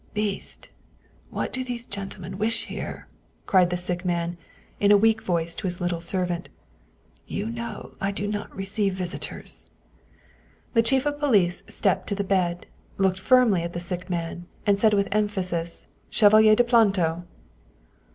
" Beast, what do these gentlemen wish here ?" cried the sick man in a weak voice to his little servant. " You know I do not receive visitors." The chief of police stepped to the bed, looked firmly at the sick man, and said with emphasis, " Chevalier de Planto!"